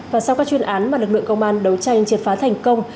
và sau các chuyên án mà lực lượng công an đấu tranh triệt phá thành công